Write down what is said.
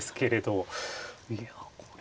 いやこれは。